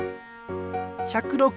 １０６！